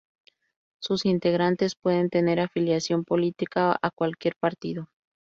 Sus integrantes pueden tener afiliación política a cualquier partido.